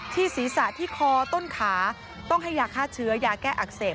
ศีรษะที่คอต้นขาต้องให้ยาฆ่าเชื้อยาแก้อักเสบ